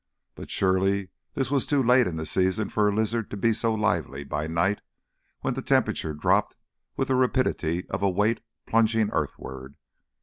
But surely this was too late in the season for a lizard to be so lively by night when the temperature dropped with the rapidity of a weight plunging earth ward.